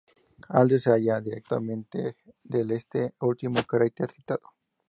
Alder se halla directamente al este del último cráter citado.